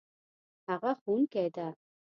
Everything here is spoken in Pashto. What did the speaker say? هغه ښوونکې ده